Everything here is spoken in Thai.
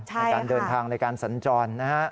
ในการเดินทางในการสัญจรนะฮะ